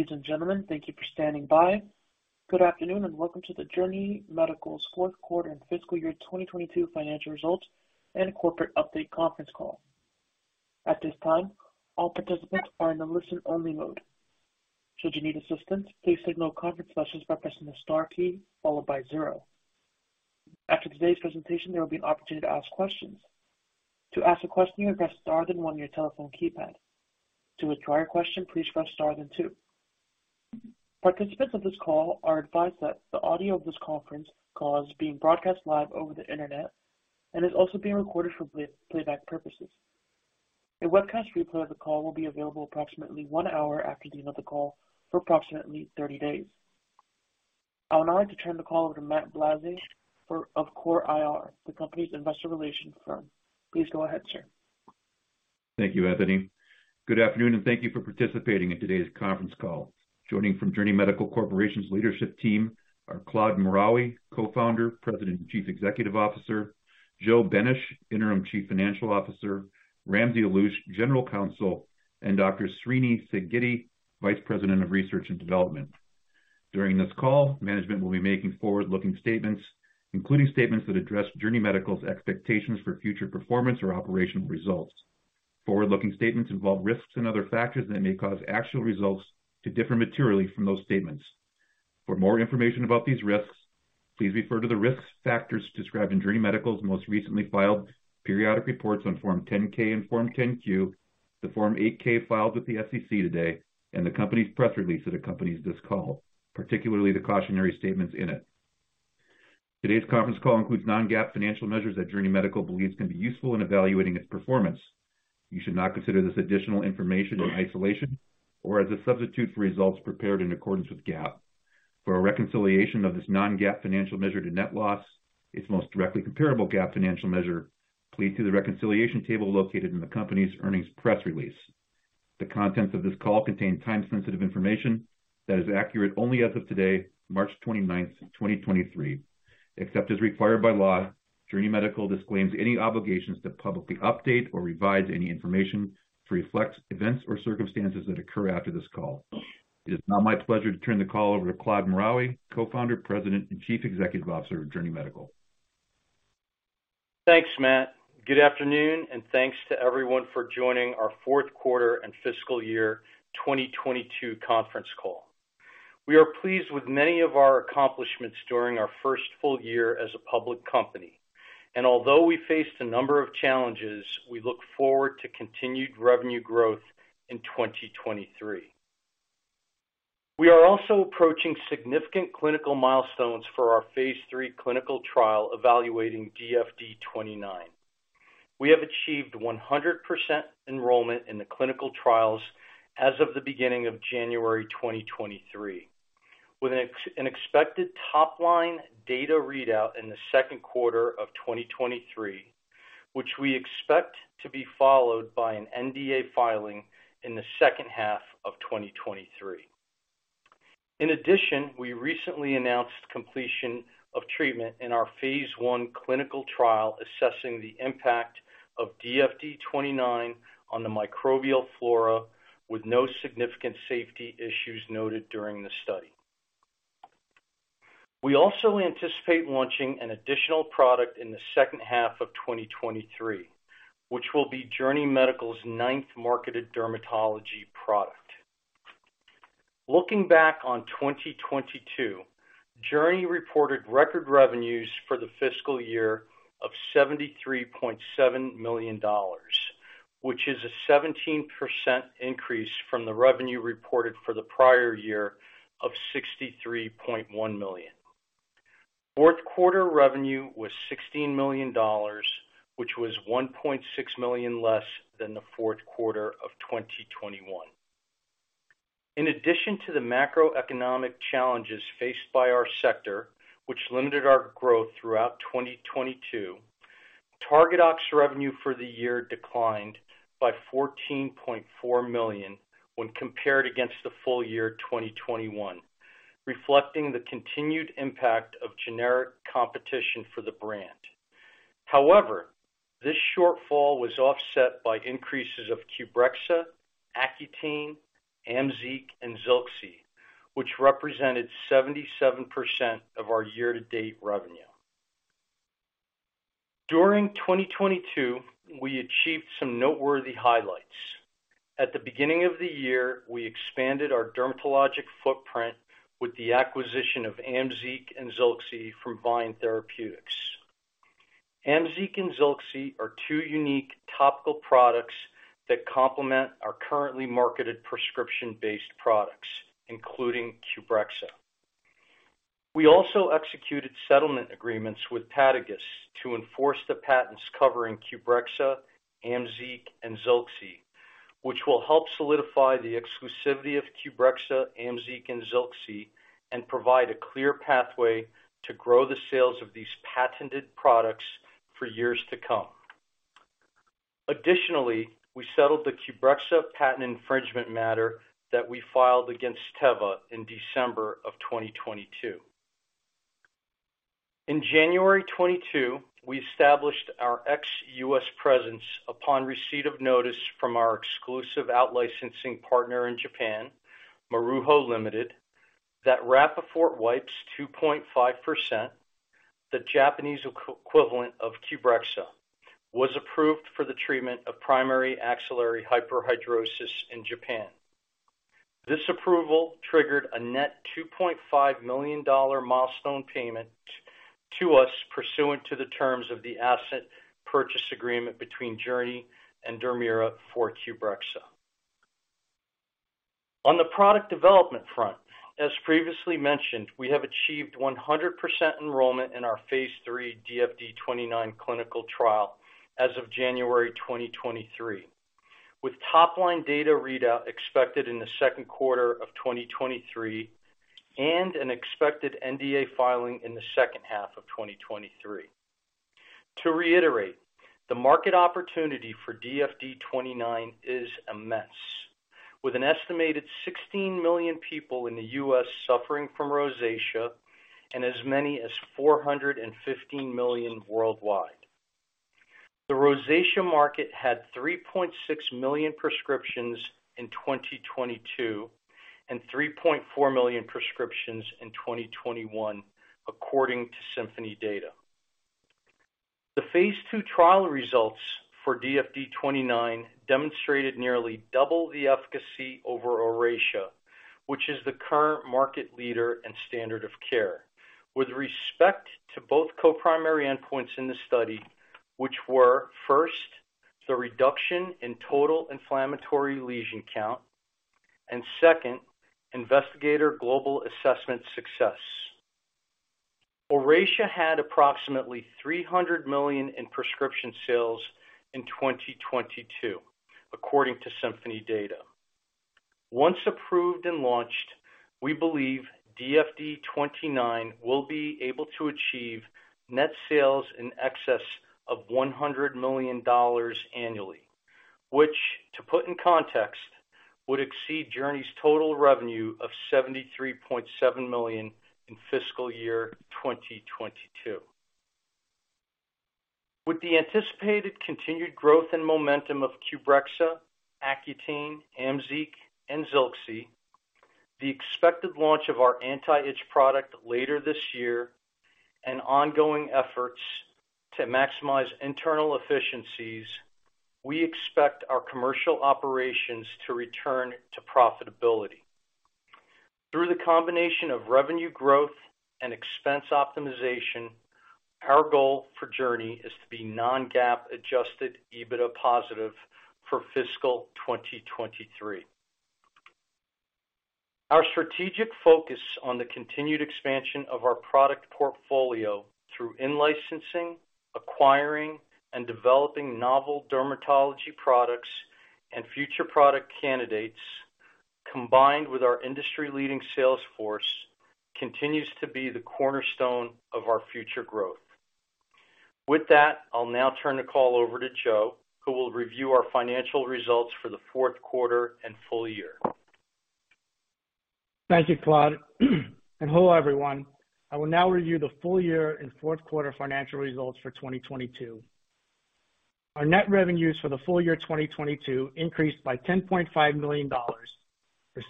Ladies and gentlemen, thank you for standing by. Good afternoon, and welcome to the Journey Medical's fourth quarter and fiscal year 2022 financial results and corporate update conference call. At this time, all participants are in a listen-only mode. Should you need assistance, please signal conference sessions by pressing the star key followed by 0. After today's presentation, there will be an opportunity to ask questions. To ask a question, you press star then 1 on your telephone keypad. To withdraw your question, please press star then 2. Participants of this call are advised that the audio of this conference call is being broadcast live over the Internet and is also being recorded for playback purposes. A webcast replay of the call will be available approximately 1 hour after the end of the call for approximately 30 days. I would now like to turn the call over to Matt Blazei of CORE IR, the company's investor relations firm. Please go ahead, sir. Thank you, Anthony. Good afternoon, thank you for participating in today's conference call. Joining from Journey Medical Corporation's leadership team are Claude Maraoui, Co-Founder, President, and Chief Executive Officer, Joseph Benesch, Interim Chief Financial Officer, Ramsey Alloush, General Counsel, and Dr. Srinivas Sidgiddi, Vice President of Research and Development. During this call, management will be making forward-looking statements, including statements that address Journey Medical's expectations for future performance or operational results. Forward-looking statements involve risks and other factors that may cause actual results to differ materially from those statements. For more information about these risks, please refer to the risk factors described in Journey Medical's most recently filed periodic reports on Form 10-K and Form 10-Q, the Form 8-K filed with the SEC today, and the company's press release that accompanies this call, particularly the cautionary statements in it. Today's conference call includes non-GAAP financial measures that Journey Medical believes can be useful in evaluating its performance. You should not consider this additional information in isolation or as a substitute for results prepared in accordance with GAAP. For a reconciliation of this non-GAAP financial measure to net loss, its most directly comparable GAAP financial measure, please see the reconciliation table located in the company's earnings press release. The contents of this call contain time-sensitive information that is accurate only as of today, March 29, 2023. Except as required by law, Journey Medical disclaims any obligations to publicly update or revise any information to reflect events or circumstances that occur after this call. It is now my pleasure to turn the call over to Claude Maraoui, Co-Founder, President, and Chief Executive Officer of Journey Medical. Thanks, Matt Blazei. Good afternoon. Thanks to everyone for joining our fourth quarter and fiscal year 2022 conference call. We are pleased with many of our accomplishments during our first full year as a public company. Although we faced a number of challenges, we look forward to continued revenue growth in 2023. We are also approaching significant clinical milestones for our phase III clinical trial evaluating DFD-29. We have achieved 100% enrollment in the clinical trials as of the beginning of January 2023, with an expected top-line data readout in the second quarter of 2023, which we expect to be followed by an NDA filing in the second half of 2023. In addition, we recently announced completion of treatment in our phase I clinical trial assessing the impact of DFD-29 on the microbial flora with no significant safety issues noted during the study. We also anticipate launching an additional product in the second half of 2023, which will be Journey Medical's ninth marketed dermatology product. Looking back on 2022, Journey reported record revenues for the fiscal year of $73.7 million, which is a 17% increase from the revenue reported for the prior year of $63.1 million. Fourth quarter revenue was $16 million, which was $1.6 million less than the fourth quarter of 2021. In addition to the macroeconomic challenges faced by our sector, which limited our growth throughout 2022. TARGADOX revenue for the year declined by $14.4 million when compared against the full year 2021, reflecting the continued impact of generic competition for the brand. However, this shortfall was offset by increases of QBREXZA, Accutane, AMZEEQ and ZILXI, which represented 77% of our year-to-date revenue. During 2022, we achieved some noteworthy highlights. At the beginning of the year, we expanded our dermatologic footprint with the acquisition of AMZEEQ and ZILXI from VYNE Therapeutics. AMZEEQ and ZILXI are two unique topical products that complement our currently marketed prescription-based products, including QBREXZA. We also executed settlement agreements with Padagis to enforce the patents covering QBREXZA, AMZEEQ and ZILXI, which will help solidify the exclusivity of QBREXZA, AMZEEQ and ZILXI and provide a clear pathway to grow the sales of these patented products for years to come. We settled the QBREXZA patent infringement matter that we filed against Teva in December of 2022. In January 2022, we established our ex-U.S. presence upon receipt of notice from our exclusive out-licensing partner in Japan, Maruho Limited, that Rapifort Wipes 2.5%, the Japanese equivalent of QBREXZA, was approved for the treatment of primary axillary hyperhidrosis in Japan. This approval triggered a net $2.5 million milestone payment to us pursuant to the terms of the asset purchase agreement between Journey and Dermira for QBREXZA. On the product development front, as previously mentioned, we have achieved 100% enrollment in our phase III DFD-29 clinical trial as of January 2023, with top-line data readout expected in the second quarter of 2023 and an expected NDA filing in the second half of 2023. To reiterate, the market opportunity for DFD-29 is immense. With an estimated 16 million people in the U.S. suffering from rosacea and as many as 415 million worldwide. The rosacea market had 3.6 million prescriptions in 2022 and 3.4 million prescriptions in 2021, according to Symphony data. The phase II trial results for DFD-29 demonstrated nearly double the efficacy over Oracea, which is the current market leader and standard of care. With respect to both co-primary endpoints in the study, which were first, the reduction in total inflammatory lesion count, and second, investigator global assessment success. Oracea had approximately $300 million in prescription sales in 2022, according to Symphony data. Once approved and launched, we believe DFD-29 will be able to achieve net sales in excess of $100 million annually, which, to put in context, would exceed Journey's total revenue of $73.7 million in fiscal year 2022. With the anticipated continued growth and momentum of QBREXZA, Accutane, AMZEEQ, and ZILXI, the expected launch of our anti-itch product later this year, and ongoing efforts to maximize internal efficiencies, we expect our commercial operations to return to profitability. Through the combination of revenue growth and expense optimization, our goal for Journey is to be non-GAAP adjusted EBITDA positive for fiscal 2023. Our strategic focus on the continued expansion of our product portfolio through in-licensing, acquiring, and developing novel dermatology products and future product candidates, combined with our industry-leading sales force, continues to be the cornerstone of our future growth. With that, I'll now turn the call over to Joe, who will review our financial results for the fourth quarter and full year. Thank you, Claude. Hello, everyone. I will now review the full year and fourth quarter financial results for 2022. Our net revenues for the full year 2022 increased by $10.5 million, or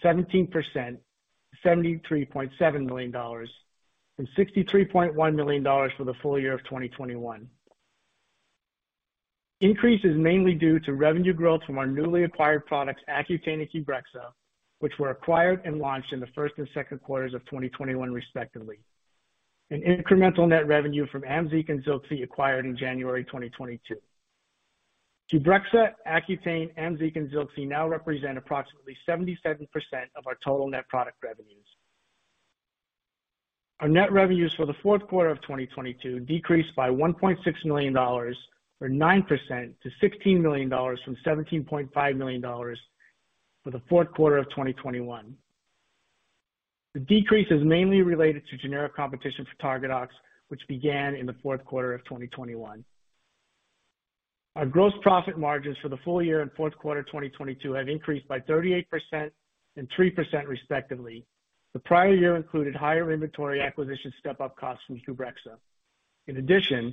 17% to $73.7 million from $63.1 million for the full year of 2021. Increase is mainly due to revenue growth from our newly acquired products, Accutane and QBREXZA, which were acquired and launched in the first and second quarters of 2021, respectively, and incremental net revenue from AMZEEQ and ZILXI acquired in January 2022. QBREXZA, Accutane, AMZEEQ, and ZILXI now represent approximately 77% of our total net product revenues. Our net revenues for the fourth quarter of 2022 decreased by $1.6 million or 9% to $16 million from $17.5 million for the fourth quarter of 2021. The decrease is mainly related to generic competition for TARGADOX, which began in the fourth quarter of 2021. Our gross profit margins for the full year and fourth quarter 2022 have increased by 38% and 3% respectively. The prior year included higher inventory acquisition step-up costs from QBREXZA. In addition,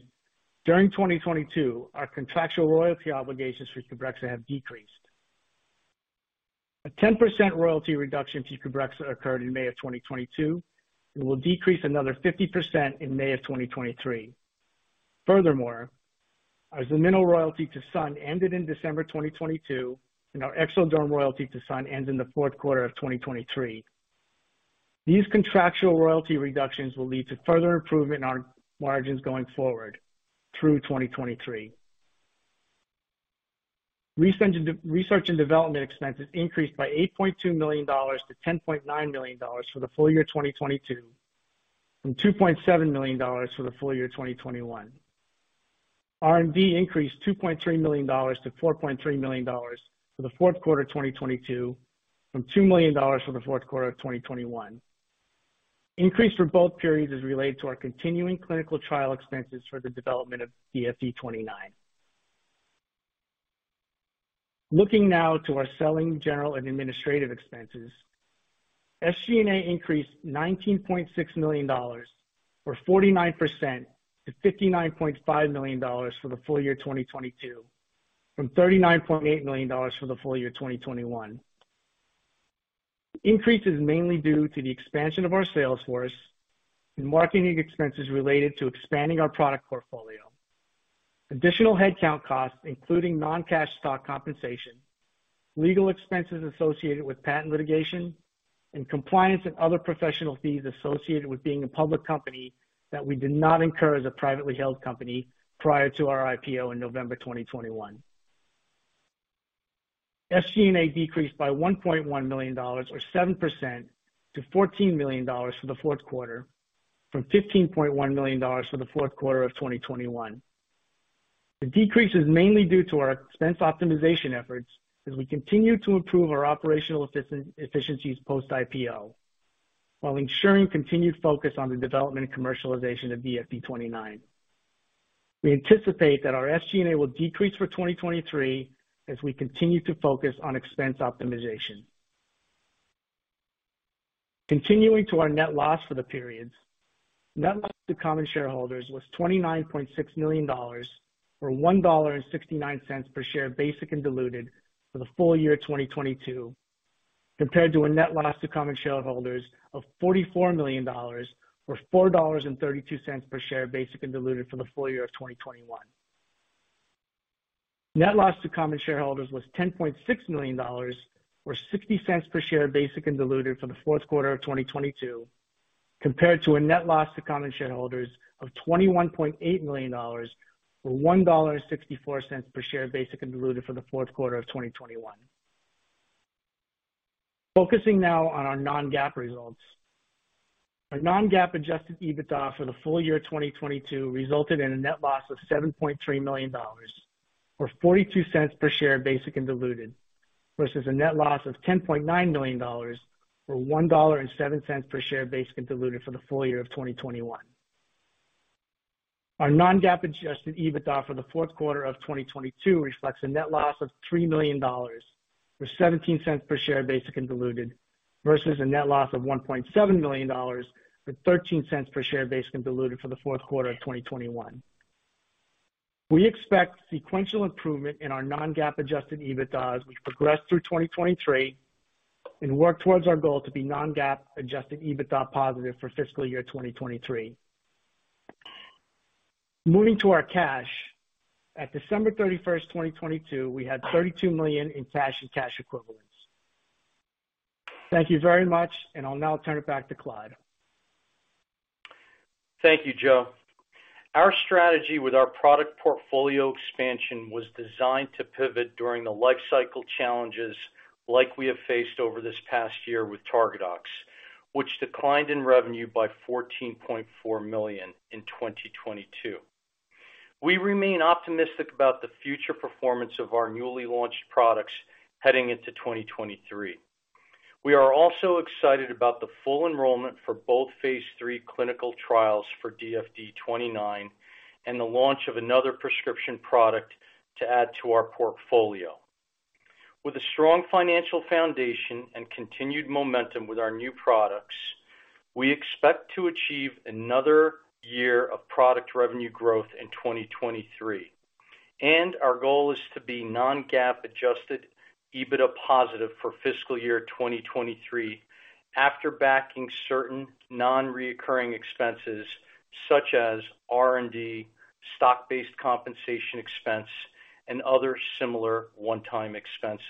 during 2022, our contractual royalty obligations for QBREXZA have decreased. A 10% royalty reduction to QBREXZA occurred in May of 2022 and will decrease another 50% in May of 2023. Furthermore, our Ximino royalty to Sun ended in December 2022, and our Exelderm royalty to Sun ends in the fourth quarter of 2023. These contractual royalty reductions will lead to further improvement in our margins going forward through 2023. Research and development expenses increased by $8.2 million to $10.9 million for the full year 2022, from $2.7 million for the full year 2021. R&D increased $2.3 million to $4.3 million for the fourth quarter 2022 from $2 million for the fourth quarter of 2021. Increase for both periods is related to our continuing clinical trial expenses for the development of DFD-29. Looking now to our selling, general and administrative expenses. SG&A increased $19.6 million, or 49% to $59.5 million for the full year 2022, from $39.8 million for the full year 2021. Increase is mainly due to the expansion of our sales force and marketing expenses related to expanding our product portfolio. Additional headcount costs, including non-cash stock compensation, legal expenses associated with patent litigation, and compliance and other professional fees associated with being a public company that we did not incur as a privately held company prior to our IPO in November 2021. SG&A decreased by $1.1 million, or 7% to $14 million for the fourth quarter, from $15.1 million for the fourth quarter of 2021. The decrease is mainly due to our expense optimization efforts as we continue to improve our operational efficiencies post IPO, while ensuring continued focus on the development and commercialization of DFD-29. We anticipate that our SG&A will decrease for 2023 as we continue to focus on expense optimization. Continuing to our net loss for the periods. Net loss to common shareholders was $29.6 million, or $1.69 per share, basic and diluted for the full year 2022, compared to a net loss to common shareholders of $44 million, or $4.32 per share, basic and diluted for the full year of 2021. Net loss to common shareholders was $10.6 million, or $0.60 per share, basic and diluted for the fourth quarter of 2022, compared to a net loss to common shareholders of $21.8 million, or $1.64 per share, basic and diluted for the fourth quarter of 2021. Focusing now on our non-GAAP results. Our non-GAAP adjusted EBITDA for the full year 2022 resulted in a net loss of $7.3 million, or $0.42 per share, basic and diluted, versus a net loss of $10.9 million, or $1.07 per share, basic and diluted for the full year 2021. Our non-GAAP adjusted EBITDA for the fourth quarter of 2022 reflects a net loss of $3 million, or $0.17 per share, basic and diluted, versus a net loss of $1.7 million, or $0.13 per share, basic and diluted for the fourth quarter of 2021. We expect sequential improvement in our non-GAAP adjusted EBITDA as we progress through 2023 and work towards our goal to be non-GAAP adjusted EBITDA positive for fiscal year 2023. Moving to our cash. At December 31st, 2022, we had $32 million in cash and cash equivalents. Thank you very much. I'll now turn it back to Claude. Thank you, Joe. Our strategy with our product portfolio expansion was designed to pivot during the life cycle challenges like we have faced over this past year with TARGADOX, which declined in revenue by $14.4 million in 2022. We remain optimistic about the future performance of our newly launched products heading into 2023. We are also excited about the full enrollment for both phase III clinical trials for DFD-29 and the launch of another prescription product to add to our portfolio. With a strong financial foundation and continued momentum with our new products, we expect to achieve another year of product revenue growth in 2023. Our goal is to be non-GAAP adjusted EBITDA positive for fiscal year 2023 after backing certain non-recurring expenses such as R&D, stock-based compensation expense, and other similar one-time expenses.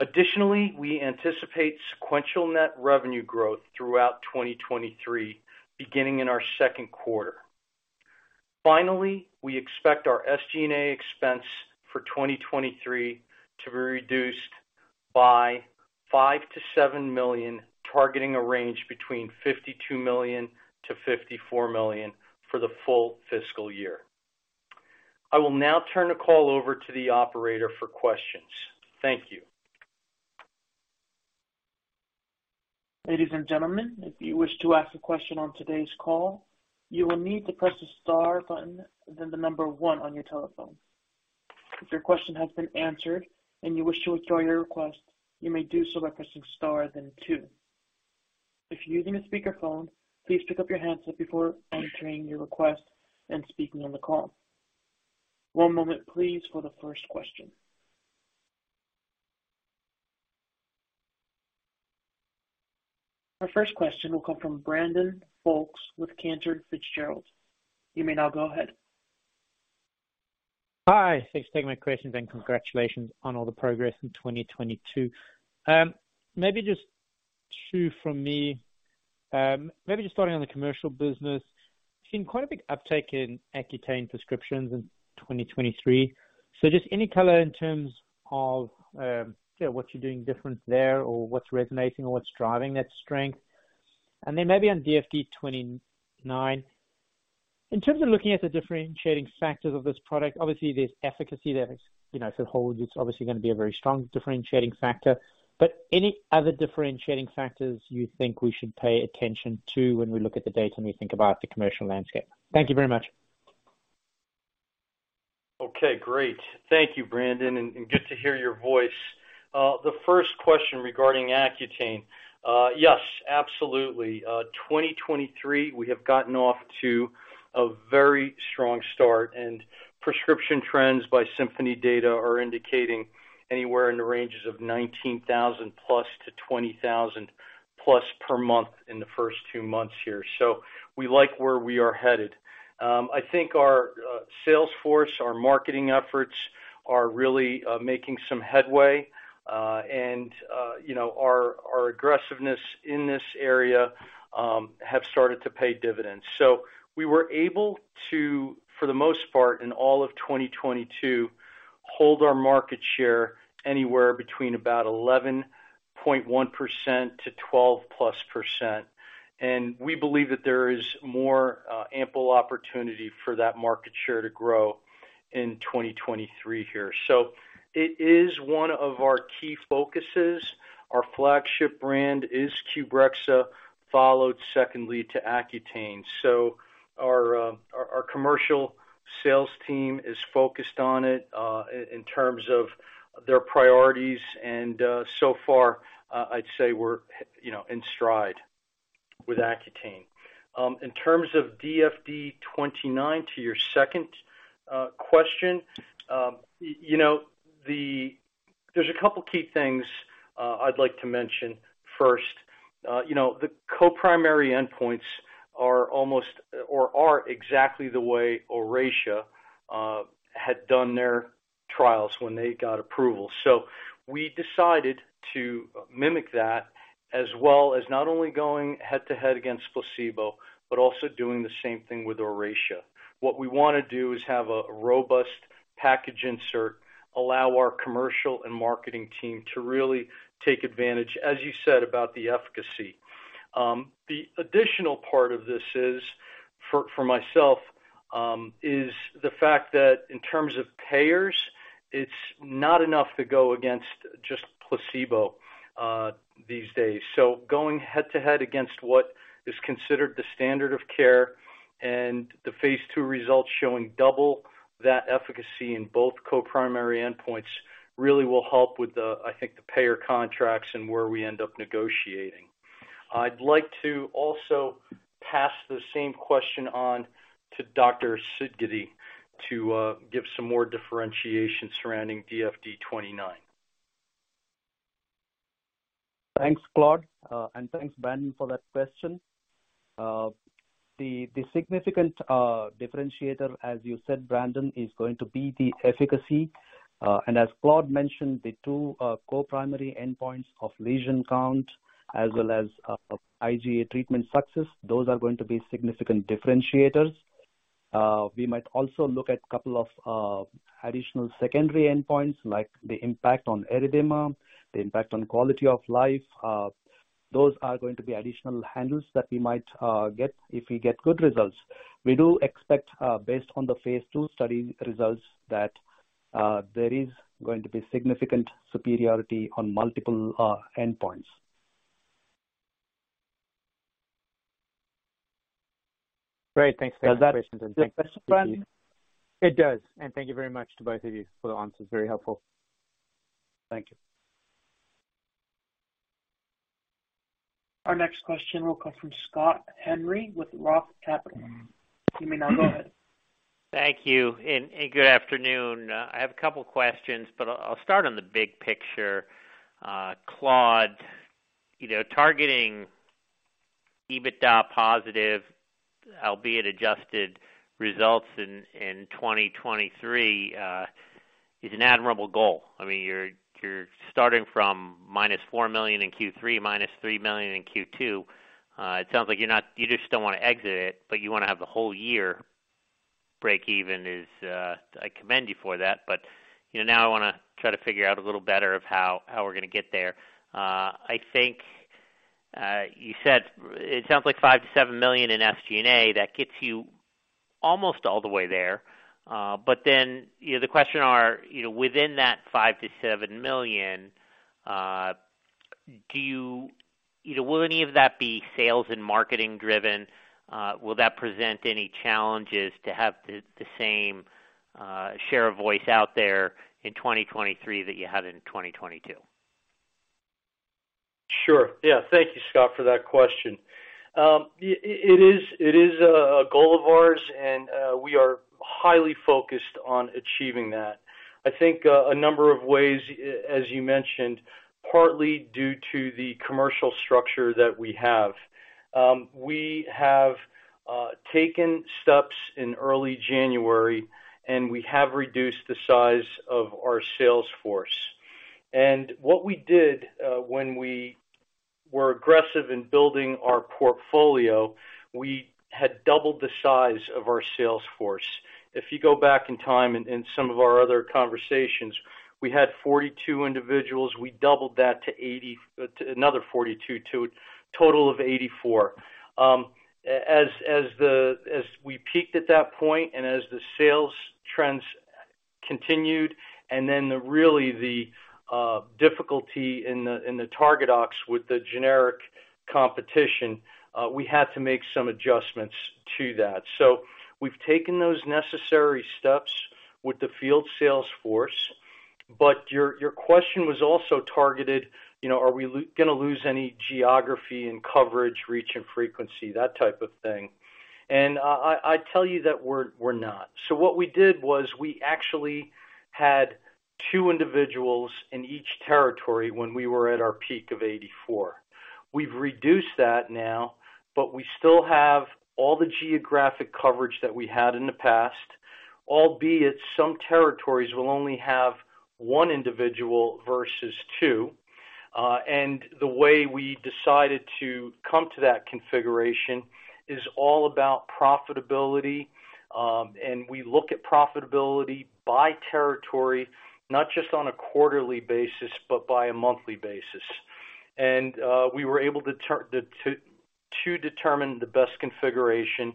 Additionally, we anticipate sequential net revenue growth throughout 2023, beginning in our second quarter. Finally, we expect our SG&A expense for 2023 to be reduced by $5 million-$7 million, targeting a range between $52 million-$54 million for the full fiscal year. I will now turn the call over to the operator for questions. Thank you. Ladies and gentlemen, if you wish to ask a question on today's call, you will need to press the Star button, then the number 1 on your telephone. If your question has been answered and you wish to withdraw your request, you may do so by pressing Star then 2. If you're using a speakerphone, please pick up your handset before entering your request and speaking on the call. One moment please for the first question. Our first question will come from Brandon Folkes with Cantor Fitzgerald. You may now go ahead. Hi. Thanks for taking my questions. Congratulations on all the progress in 2022. Maybe just two from me. Maybe just starting on the commercial business. Seen quite a big uptake in Accutane prescriptions in 2023. Just any color in terms of, you know, what you're doing different there or what's resonating or what's driving that strength. Then maybe on DFD-29. In terms of looking at the differentiating factors of this product, obviously there's efficacy there. You know, if it holds, it's obviously gonna be a very strong differentiating factor. Any other differentiating factors you think we should pay attention to when we look at the data and we think about the commercial landscape? Thank you very much. Okay, great. Thank you, Brandon, and good to hear your voice. The first question regarding Accutane. Yes, absolutely. 2023, we have gotten off to a very strong start and prescription trends by Symphony Health are indicating anywhere in the ranges of 19,000+ to 20,000+ per month in the first two months here. We like where we are headed. I think our sales force, our marketing efforts are really making some headway. You know, our aggressiveness in this area have started to pay dividends. We were able to, for the most part in all of 2022, hold our market share anywhere between about 11.1% to 12+%. We believe that there is more ample opportunity for that market share to grow in 2023 here. It is one of our key focuses. Our flagship brand is QBREXZA, followed secondly to Accutane. Our commercial sales team is focused on it in terms of their priorities and so far, I'd say we're, you know, in stride with Accutane. In terms of DFD-29, to your second question, you know, there's a couple key things I'd like to mention. First, you know, the co-primary endpoints are almost or are exactly the way Oracea had done their trials when they got approval. We decided to mimic that as well as not only going head-to-head against placebo, but also doing the same thing with Oracea. What we wanna do is have a robust package insert, allow our commercial and marketing team to really take advantage, as you said, about the efficacy. The additional part of this is, for myself, is the fact that in terms of payers, it's not enough to go against just placebo, these days. Going head-to-head against what is considered the standard of care and the phase II results showing double that efficacy in both co-primary endpoints really will help with the, I think the payer contracts and where we end up negotiating. I'd like to also pass the same question on to Dr. Sidgiddi to give some more differentiation surrounding DFD-29. Thanks, Claude. Thanks Brandon for that question. The significant differentiator, as you said, Brandon, is going to be the efficacy. As Claude mentioned, the two co-primary endpoints of lesion count as well as IGA treatment success, those are going to be significant differentiators. We might also look at couple of additional secondary endpoints like the impact on erythema, the impact on quality of life. Those are going to be additional handles that we might get if we get good results. We do expect, based on the phase two study results, that there is going to be significant superiority on multiple endpoints. Great. Thanks for the questions and thank you. Does that do the question, Brandon? It does. Thank you very much to both of you for the answers. Very helpful. Thank you. Our next question will come from Scott Henry with ROTH Capital. You may now go ahead. Thank you, and good afternoon. I have a couple questions, but I'll start on the big picture. Claude, you know, targeting EBITDA positive, albeit adjusted results in 2023, is an admirable goal. I mean, you're starting from minus $4 million in Q3, minus $3 million in Q2. It sounds like you just don't wanna exit it, but you wanna have the whole year breakeven is. I commend you for that. You know, now I wanna try to figure out a little better of how we're gonna get there. I think you said it sounds like $5 million-$7 million in SG&A, that gets you almost all the way there. you know, the question are, you know, within that $5 million-$7 million, do you know, will any of that be sales and marketing driven? Will that present any challenges to have the same, share of voice out there in 2023 that you had in 2022? Sure. Yeah. Thank you, Scott, for that question. it is a goal of ours, and we are highly focused on achieving that. I think a number of ways, as you mentioned, partly due to the commercial structure that we have. We have taken steps in early January, we have reduced the size of our sales force. What we did, when we were aggressive in building our portfolio, we had doubled the size of our sales force. If you go back in time in some of our other conversations, we had 42 individuals. We doubled that to another 42, to a total of 84. As we peaked at that point and as the sales trends continued, and the really the difficulty in the TARGADOX with the generic competition, we had to make some adjustments to that. We've taken those necessary steps with the field sales force. Your question was also targeted, you know, are we gonna lose any geography and coverage, reach and frequency, that type of thing. I tell you that we're not. What we did was we actually had 2 individuals in each territory when we were at our peak of 84. We've reduced that now, but we still have all the geographic coverage that we had in the past, albeit some territories will only have 1 individual versus 2. The way we decided to come to that configuration is all about profitability. We look at profitability by territory, not just on a quarterly basis, but by a monthly basis. We were able to determine the best configuration,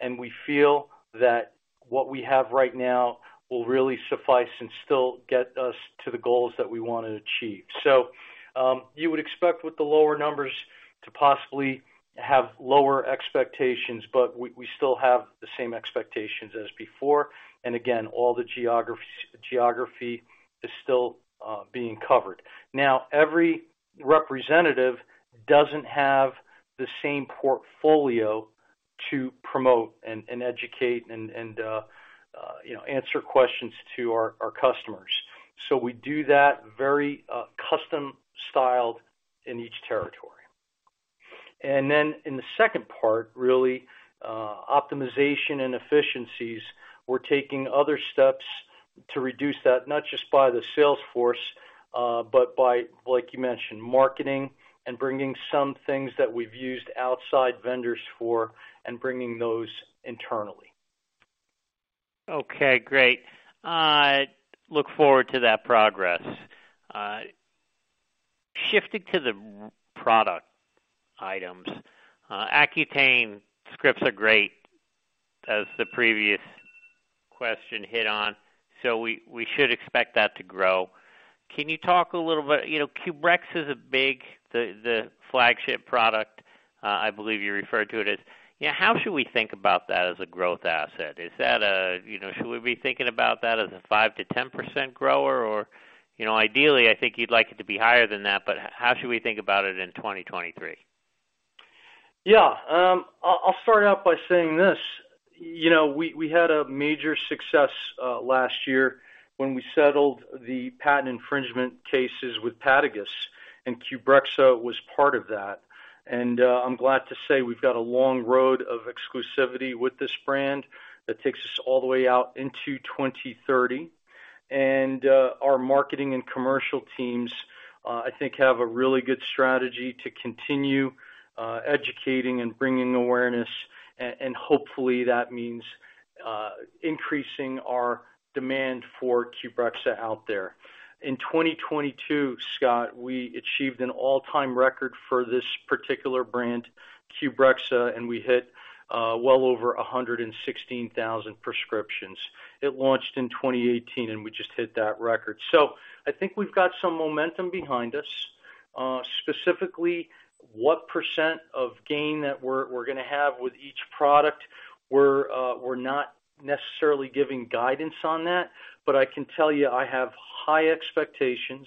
and we feel that what we have right now will really suffice and still get us to the goals that we wanna achieve. You would expect with the lower numbers to possibly have lower expectations, but we still have the same expectations as before. Again, all the geography is still being covered. Every representative doesn't have the same portfolio to promote and educate and, you know, answer questions to our customers. We do that very custom styled in each territory. In the second part, really, optimization and efficiencies, we're taking other steps to reduce that, not just by the sales force, but by, like you mentioned, marketing and bringing some things that we've used outside vendors for and bringing those internally. Okay, great. Look forward to that progress. Shifting to the product items. Accutane scripts are great, as the previous question hit on, so we should expect that to grow. Can you talk a little bit, you know, QBREXZA is a big... The flagship product, I believe you referred to it as. You know, how should we think about that as a growth asset? Is that a, you know, should we be thinking about that as a 5% to 10% grower? You know, ideally, I think you'd like it to be higher than that, but how should we think about it in 2023? Yeah. I'll start out by saying this. You know, we had a major success last year when we settled the patent infringement cases with Padagis, and QBREXZA was part of that. I'm glad to say we've got a long road of exclusivity with this brand that takes us all the way out into 2030. Our marketing and commercial teams, I think have a really good strategy to continue educating and bringing awareness. Hopefully that means increasing our demand for QBREXZA out there. In 2022, Scott, we achieved an all-time record for this particular brand, QBREXZA, and we hit well over 116,000 prescriptions. It launched in 2018, and we just hit that record. I think we've got some momentum behind us. Specifically, what % of gain that we're gonna have with each product, we're not necessarily giving guidance on that, but I can tell you I have high expectations.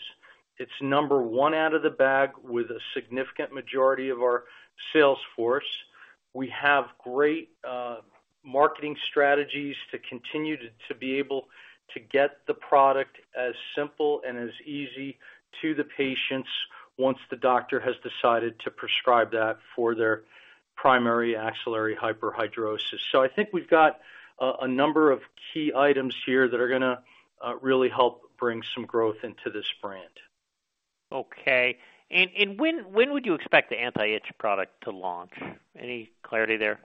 It's number one out of the bag with a significant majority of our sales force. We have great marketing strategies to continue to be able to get the product as simple and as easy to the patients once the doctor has decided to prescribe that for their primary axillary hyperhidrosis. I think we've got a number of key items here that are gonna really help bring some growth into this brand. Okay. When would you expect the anti-itch product to launch? Any clarity there?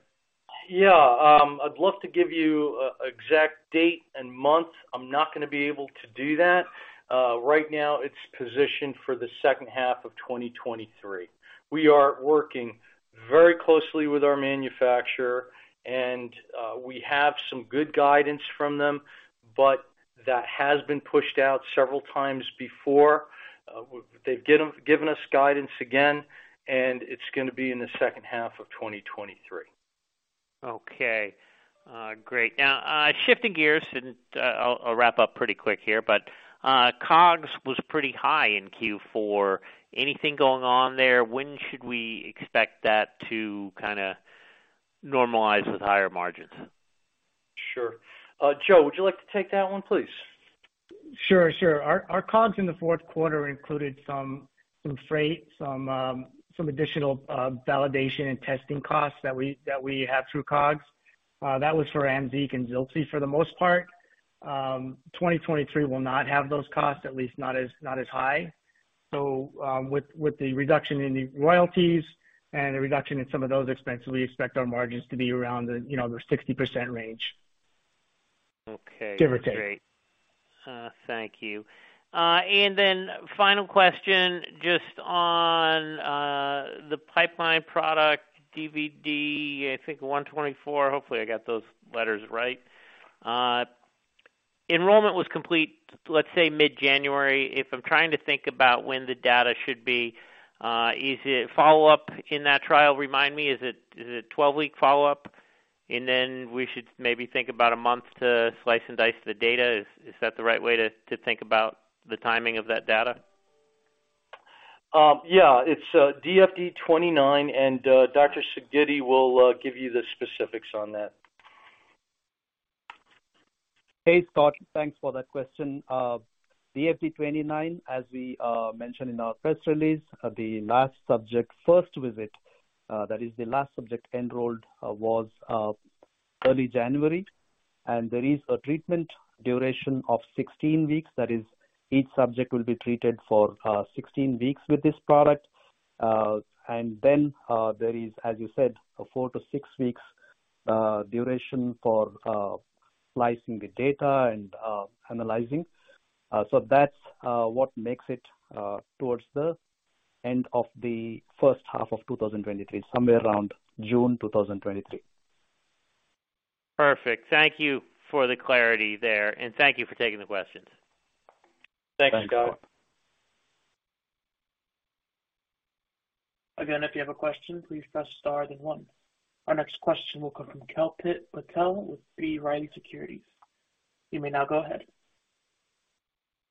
Yeah. I'd love to give you a exact date and month. I'm not gonna be able to do that. Right now it's positioned for the second half of 2023. We are working very closely with our manufacturer, and we have some good guidance from them, but that has been pushed out several times before. They've given us guidance again, and it's gonna be in the second half of 2023. Okay. great. Now, shifting gears, and, I'll wrap up pretty quick here, but, COGS was pretty high in Q4. Anything going on there? When should we expect that to kinda normalize with higher margins? Sure. Joe, would you like to take that one, please? Sure. Our COGS in the fourth quarter included some freight, some additional validation and testing costs that we had through COGS. That was for AMZEEQ and ZILXI for the most part. 2023 will not have those costs, at least not as high. With the reduction in the royalties and the reduction in some of those expenses, we expect our margins to be around the, you know, 60% range. Okay. Give or take. Great. Thank you. Final question, just on the pipeline product, DFD-29, I think 124. Hopefully, I got those letters right. Enrollment was complete, let's say mid-January. If I'm trying to think about when the data should be, is it follow-up in that trial? Remind me, is it, is it a 12-week follow-up? We should maybe think about a month to slice and dice the data. Is that the right way to think about the timing of that data? Yeah. It's DFD-29, and Dr. Sidgiddi will give you the specifics on that. Hey, Scott. Thanks for that question. DFD-29, as we mentioned in our press release, the last subject first visit, that is the last subject enrolled, was early January. There is a treatment duration of 16 weeks. That is, each subject will be treated for 16 weeks with this product. Then, there is, as you said, a 4 to 6 weeks duration for slicing the data and analyzing. That's what makes it towards the end of the first half of 2023, somewhere around June 2023. Perfect. Thank you for the clarity there, and thank you for taking the questions. Thanks, Scott. Thanks, Scott. If you have a question, please press star then one. Our next question will come from Kalpit Patel with B. Riley Securities. You may now go ahead.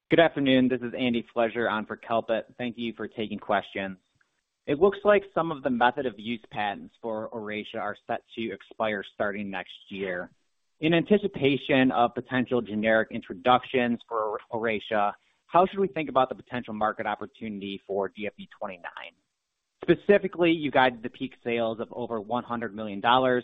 Good afternoon. This is Andy Fletcher on for Kalpit. Thank you for taking questions. It looks like some of the method of use patents for Oracea are set to expire starting next year. In anticipation of potential generic introductions for Oracea, how should we think about the potential market opportunity for DFD-29? Specifically, you guided the peak sales of over $100 million. Does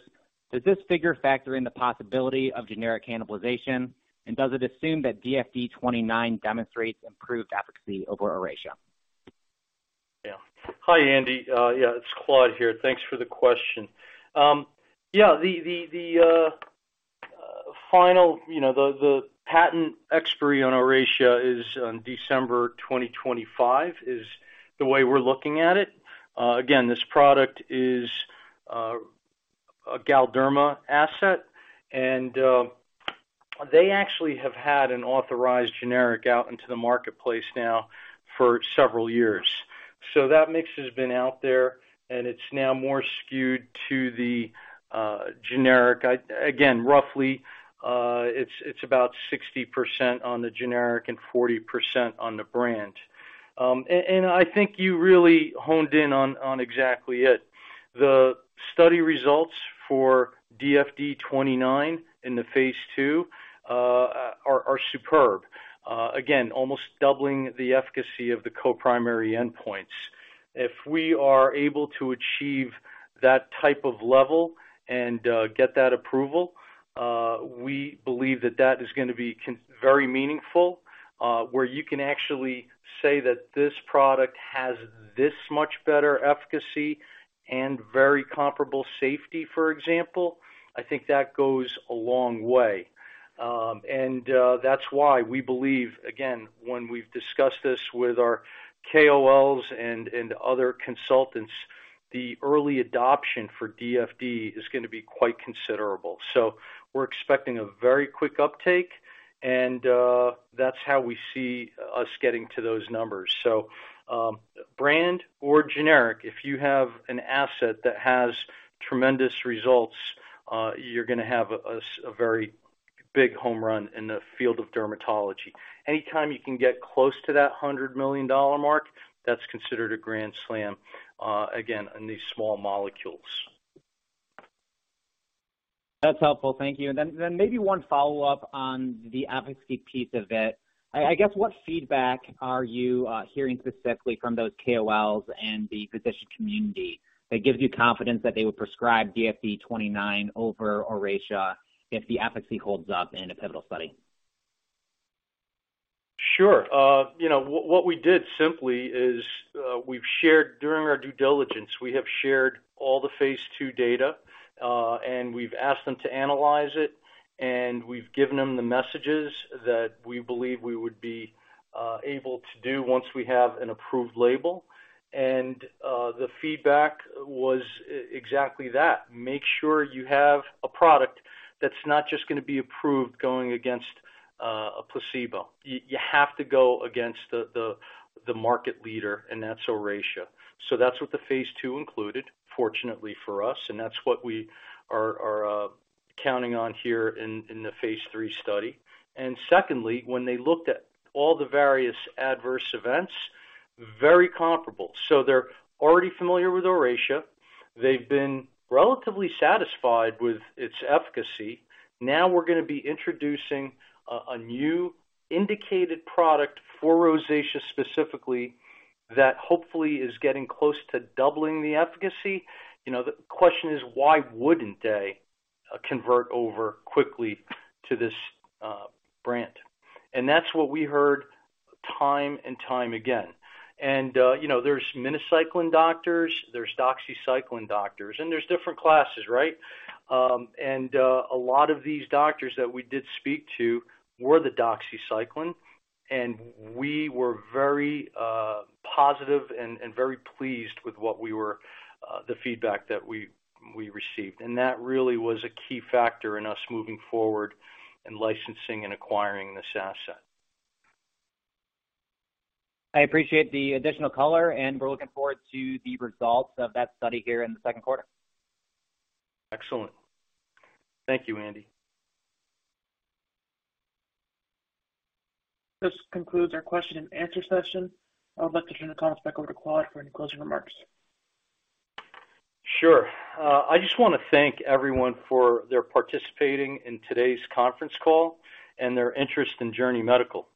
this figure factor in the possibility of generic cannibalization, and does it assume that DFD-29 demonstrates improved efficacy over Oracea? Yeah. Hi, Andy. Yeah, it's Claude here. Thanks for the question. Yeah, the final, you know, the patent expiry on Oracea is on December 2025, is the way we're looking at it. Again, this product is a Galderma asset, and they actually have had an authorized generic out into the marketplace now for several years. That mix has been out there, and it's now more skewed to the generic. Again, roughly, it's about 60% on the generic and 40% on the brand. I think you really honed in on exactly it. The study results for DFD-29 in the phase II are superb. Again, almost doubling the efficacy of the co-primary endpoints. If we are able to achieve that type of level and get that approval, we believe that that is gonna be very meaningful, where you can actually say that this product has this much better efficacy and very comparable safety, for example. I think that goes a long way. That's why we believe, again, when we've discussed this with our KOLs and other consultants, the early adoption for DFD is gonna be quite considerable. We're expecting a very quick uptake, and that's how we see us getting to those numbers. Brand or generic, if you have an asset that has tremendous results, you're gonna have a very big home run in the field of dermatology. Anytime you can get close to that $100 million mark, that's considered a grand slam, again, in these small molecules. That's helpful. Thank you. Then maybe one follow-up on the efficacy piece of it. I guess, what feedback are you hearing specifically from those KOLs and the physician community that gives you confidence that they would prescribe DFD-29 over Oracea if the efficacy holds up in a pivotal study? Sure. You know, what we did simply is, we've shared, during our due diligence, we have shared all the phase two data, and we've asked them to analyze it, and we've given them the messages that we believe we would be able to do once we have an approved label. The feedback was exactly that. Make sure you have a product that's not just gonna be approved going against a placebo. You have to go against the market leader, and that's Oracea. That's what the phase two included, fortunately for us, and that's what we are counting on here in the phase three study. Secondly, when they looked at all the various adverse events, very comparable. they're already familiar with Oracea. They've been relatively satisfied with its efficacy. Now we're gonna be introducing a new indicated product for rosacea specifically that hopefully is getting close to doubling the efficacy. You know, the question is why wouldn't they convert over quickly to this brand? That's what we heard time and time again. You know, there's minocycline doctors, there's doxycycline doctors, and there's different classes, right? A lot of these doctors that we did speak to were the doxycycline, and we were very positive and very pleased with what we were the feedback that we received. That really was a key factor in us moving forward in licensing and acquiring this asset. I appreciate the additional color, we're looking forward to the results of that study here in the second quarter. Excellent. Thank you, Andy. This concludes our question and answer session. I would like to turn the call back over to Claude for any closing remarks. Sure. I just wanna thank everyone for their participating in today's conference call and their interest in Journey Medical.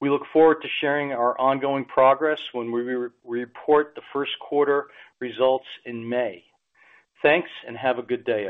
We look forward to sharing our ongoing progress when we re-report the first quarter results in May. Thanks, and have a good day.